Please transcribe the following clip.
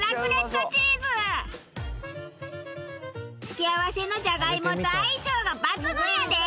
付け合わせのじゃがいもと相性が抜群やで！